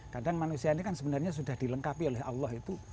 kadang manusia ini kan sebenarnya sudah dilengkapi oleh allah itu